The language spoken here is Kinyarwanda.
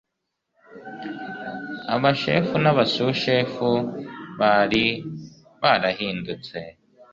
abashefu n'abasushefu bari barahindutse